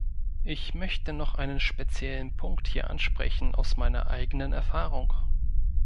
Ich möchte noch einen speziellen Punkt hier ansprechen aus meiner eigenen Erfahrung.